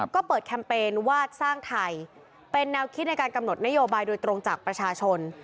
ก็เปิดแคมเปญว่าสร้างไทยเป็นแนวคิดในการกำหนดนโยบายโดยตรงจากประชาชน